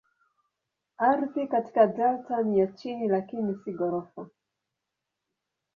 Ardhi katika delta ni ya chini lakini si ghorofa.